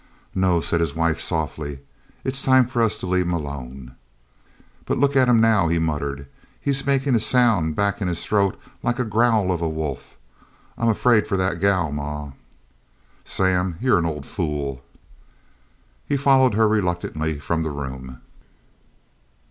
"No," said his wife softly, "it's time for us to leave 'em alone." "But look at him now!" he muttered. "He's makin' a sound back in his throat like the growl of a wolf! I'm afeard for the gal, ma!" "Sam, you're an old fool!" He followed her reluctantly from the room.